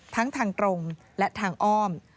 ทั้งทางตรงและทางอ้อม